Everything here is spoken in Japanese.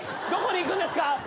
どこに行くんですか？